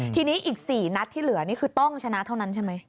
ทีนี้อีก๔นัดที่เหลือนี่คือต้องชนะเท่านั้นใช่ไหม